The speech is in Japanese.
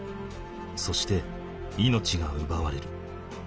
そして命が奪われる。